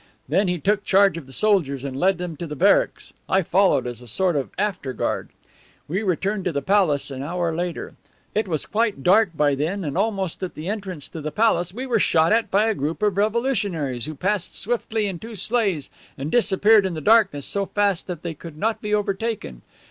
Then he took charge of the soldiers and led them to the barracks. I followed, as a sort of after guard. We returned to the palace an hour later. It was quite dark by then, and almost at the entrance to the palace we were shot at by a group of revolutionaries who passed swiftly in two sleighs and disappeared in the darkness so fast that they could not be overtaken.